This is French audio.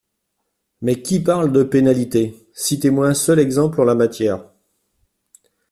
Mais qui parle de pénalités ? Citez-moi un seul exemple en la matière.